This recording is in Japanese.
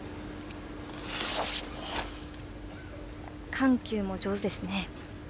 緩急も上手ですね。